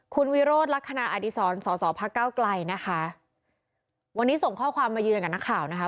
คุณวิโรธลักษณะอดีศรสอสอพระเก้าไกลนะคะวันนี้ส่งข้อความมาเยือนกับนักข่าวนะคะ